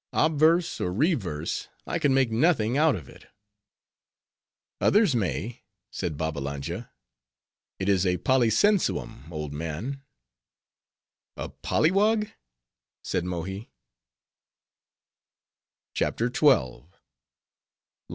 "Obverse, or reverse, I can make nothing out of it." "Others may," said Babbalanja. "It is a polysensuum, old man." "A pollywog!" said Mohi. CHAPTER XII.